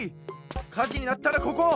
かじになったらここ！